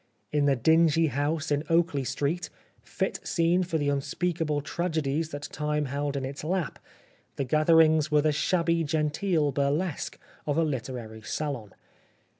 In the dingy house in Oakley Street, fit scene for the unspeakable tragedies that Time held in its lap, the gatherings were the shabby genteel burlesque of a literary salon.